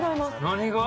何が？